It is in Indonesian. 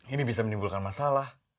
ini bisa menimbulkan masalah